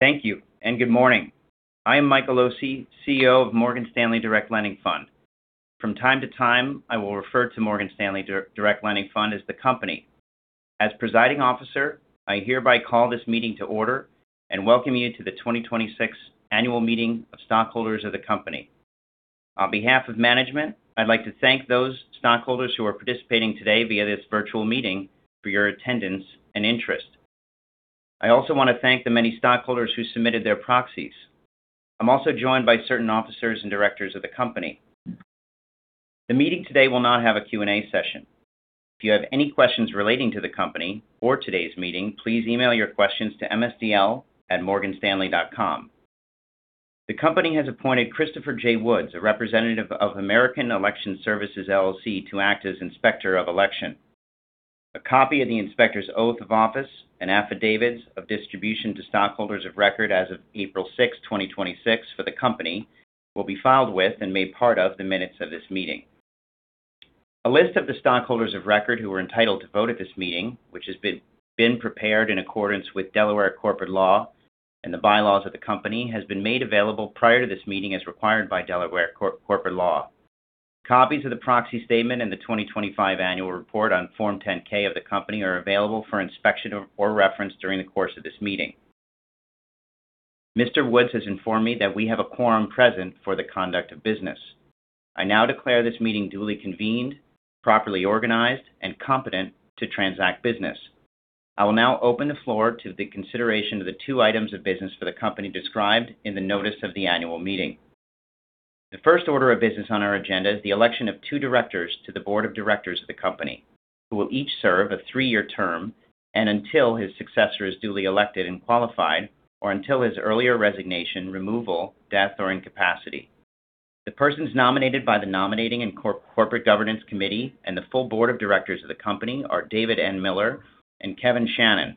Thank you, and good morning. I am Michael Occi, CEO of Morgan Stanley Direct Lending Fund. From time to time, I will refer to Morgan Stanley Direct Lending Fund as the company. As presiding officer, I hereby call this meeting to order and welcome you to the 2026 annual meeting of stockholders of the company. On behalf of management, I'd like to thank those stockholders who are participating today via this virtual meeting for your attendance and interest. I also want to thank the many stockholders who submitted their proxies. I'm also joined by certain officers and directors of the company. The meeting today will not have a Q&A session. If you have any questions relating to the company or today's meeting, please email your questions to msdl@morganstanley.com. The company has appointed Christopher J. Woods, a representative of American Election Services, LLC, to act as Inspector of Election. A copy of the Inspector's Oath of Office and Affidavits of Distribution to Stockholders of Record as of April 6th, 2026 for the company will be filed with and made part of the minutes of this meeting. A list of the stockholders of record who are entitled to vote at this meeting, which has been prepared in accordance with Delaware corporate law and the bylaws of the company, has been made available prior to this meeting, as required by Delaware corporate law. Copies of the proxy statement and the 2025 annual report on Form 10-K of the company are available for inspection or reference during the course of this meeting. Mr. Woods has informed me that we have a quorum present for the conduct of business. I now declare this meeting duly convened, properly organized, and competent to transact business. I will now open the floor to the consideration of the two items of business for the company described in the notice of the annual meeting. The first order of business on our agenda is the election of two directors to the board of directors of the company, who will each serve a three-year term and until his successor is duly elected and qualified, or until his earlier resignation, removal, death, or incapacity. The persons nominated by the Nominating and Corporate Governance Committee and the full board of directors of the company are David N. Miller and Kevin Shannon.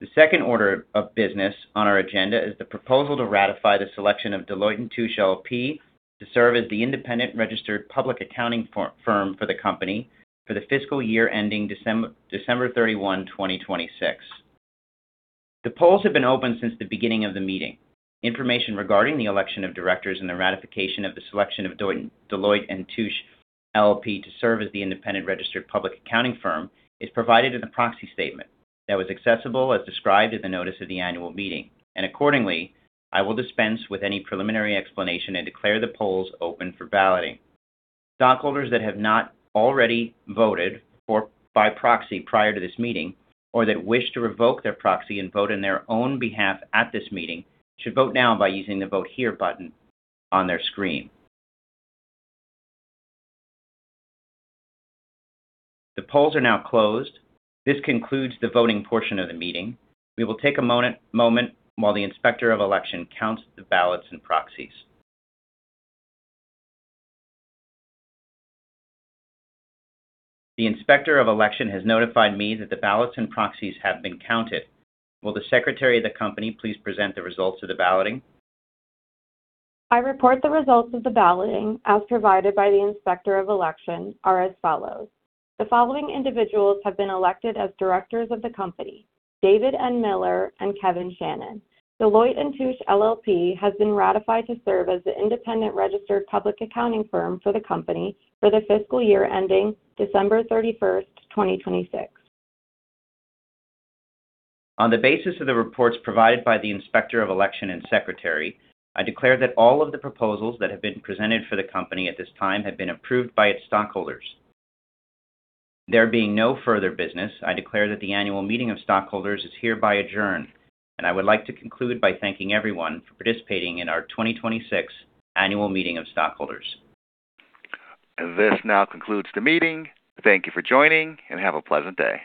The second order of business on our agenda is the proposal to ratify the selection of Deloitte & Touche LLP to serve as the independent registered public accounting firm for the company for the fiscal year ending December 31, 2026. The polls have been open since the beginning of the meeting. Information regarding the election of directors and the ratification of the selection of Deloitte & Touche LLP to serve as the independent registered public accounting firm is provided in the proxy statement that was accessible as described in the notice of the annual meeting. Accordingly, I will dispense with any preliminary explanation and declare the polls open for balloting. Stockholders that have not already voted by proxy prior to this meeting or that wish to revoke their proxy and vote on their own behalf at this meeting should vote now by using the Vote Here button on their screen. The polls are now closed. This concludes the voting portion of the meeting. We will take a moment while the Inspector of Election counts the ballots and proxies. The Inspector of Election has notified me that the ballots and proxies have been counted. Will the Secretary of the company please present the results of the balloting? I report the results of the balloting, as provided by the Inspector of Election, are as follows. The following individuals have been elected as directors of the company: David N. Miller and Kevin Shannon. Deloitte & Touche LLP has been ratified to serve as the independent registered public accounting firm for the company for the fiscal year ending December 31st, 2026. On the basis of the reports provided by the Inspector of Election and Secretary, I declare that all of the proposals that have been presented for the company at this time have been approved by its stockholders. There being no further business, I declare that the annual meeting of stockholders is hereby adjourned, and I would like to conclude by thanking everyone for participating in our 2026 annual meeting of stockholders. This now concludes the meeting. Thank you for joining. Have a pleasant day.